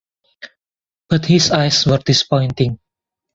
But his eyes were disappointing.